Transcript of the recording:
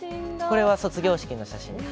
これは卒業式の写真です。